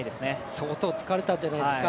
相当疲れたんじゃないですか。